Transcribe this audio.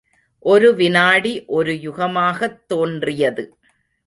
ஒரு விநாடி ஒரு யுகமாகத் தோன்றியது.